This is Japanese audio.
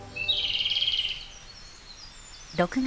６月。